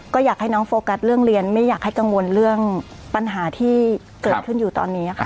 ก็อยากให้น้องโฟกัสเรื่องเรียนไม่อยากให้กังวลเรื่องปัญหาที่เกิดขึ้นอยู่ตอนนี้ค่ะ